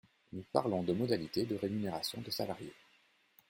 Nous parlons de modalités de rémunération de salariés.